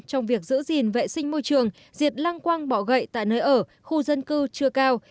trong việc giữ gìn vệ sinh môi trường diệt lăng quang bỏ gậy tại nơi ở khu dân cư chưa cao